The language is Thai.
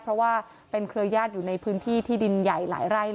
เพราะว่าเป็นเครือญาติอยู่ในพื้นที่ที่ดินใหญ่หลายไร่